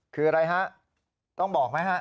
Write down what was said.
คืออะไรฮะต้องบอกไหมฮะ